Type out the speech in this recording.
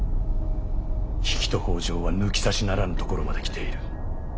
比企と北条は抜き差しならぬところまで来ている。